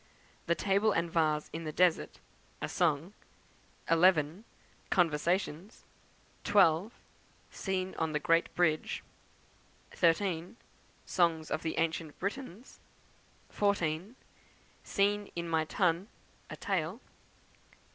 The Table and Vase in the Desert, a Song; 11. Conversations; 12. Scene on the Great Bridge; 13. Song of the Ancient Britons; 14. Scene in my Tun, a Tale; 15.